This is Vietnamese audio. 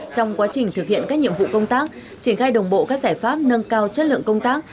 trong quá trình thực hiện các nhiệm vụ công tác triển khai đồng bộ các giải pháp nâng cao chất lượng công tác